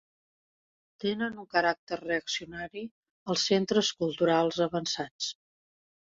Tenen un caràcter reaccionari als centres culturals avançats.